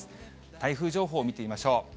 台風情報見てみましょう。